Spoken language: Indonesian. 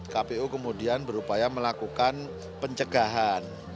kpu kemudian berupaya melakukan pencegahan